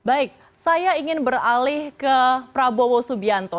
baik saya ingin beralih ke prabowo subianto